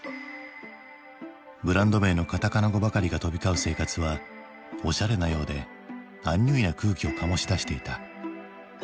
ブランド名のカタカナ語ばかりが飛び交う生活はおしゃれなようでアンニュイな空気を醸し出していた。